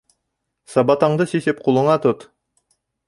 Сабатаңды сисеп ҡулыңа тот.